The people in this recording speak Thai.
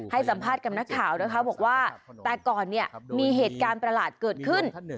ให้สัมภาษณ์กับนักข่าวนะคะบอกว่าแต่ก่อนเนี่ยมีเหตุการณ์ประหลาดเกิดขึ้น